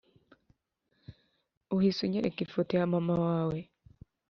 uhise unyereka ifoto ya mama wawe